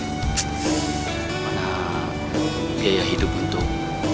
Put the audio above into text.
mana biaya hidup untuk